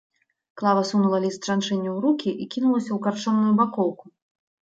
Клава сунула ліст жанчыне ў рукі і кінулася ў карчомную бакоўку.